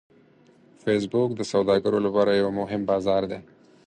فېسبوک د سوداګرو لپاره یو مهم بازار دی